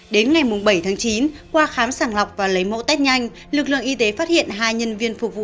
đến ngày bảy tháng chín qua khám sàng lọc và lấy mẫu test nhanh lực lượng y tế phát hiện hai nhân viên phục vụ